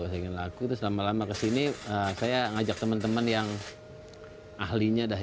saya ingin laku terus lama lama kesini saya ngajak teman teman yang ahlinya dah